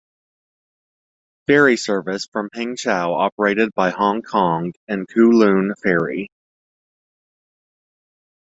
Ferry Service from Peng Chau operated by Hong Kong and Kowloon Ferry.